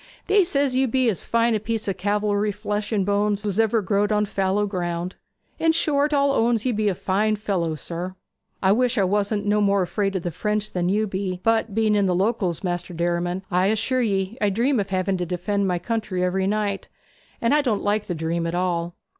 They says you be as fine a piece of calvery flesh and bones as was ever growed on fallow ground; in short, all owns that you be a fine fellow, sir. I wish I wasn't no more afraid of the French than you be; but being in the Locals, Maister Derriman, I assure ye I dream of having to defend my country every night; and I don't like the dream at all.'